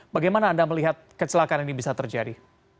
bagaimana anda melihat kecelakaan ini bisa terjadi